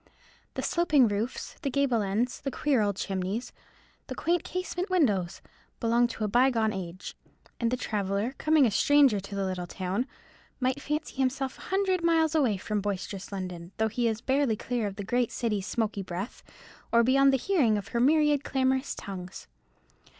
The sloping roofs, the gable ends, the queer old chimneys, the quaint casement windows, belong to a bygone age; and the traveller, coming a stranger to the little town, might fancy himself a hundred miles away from boisterous London; though he is barely clear of the great city's smoky breath, or beyond the hearing of her myriad clamorous tongues.